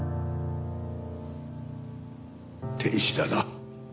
天使だな。